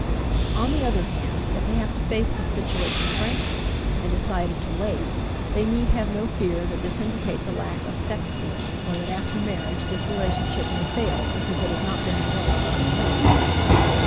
On the other hand, if they have to face this situation frankly, and decided to wait, they need have no fear that this indicates a lack of sex feeling or that after marriage this relationship may fail because it has not been indulged in earlier.